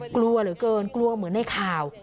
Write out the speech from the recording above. กลัวเหลือเกินกลัวเหมือนในข่าว